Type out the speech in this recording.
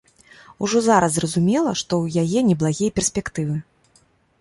Ужо зараз зразумела, што ў яе неблагія перспектывы.